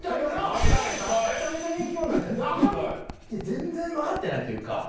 全然分かってないというか。